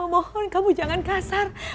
mohon kamu jangan kasar